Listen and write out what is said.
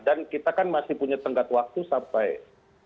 dan kita kan masih punya tengkat waktu sampai agustin